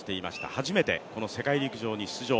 初めてこの世界陸上に出場。